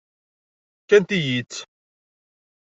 Fkant-iyi-tt.